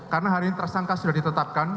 karena hari ini tersangka sudah ditetapkan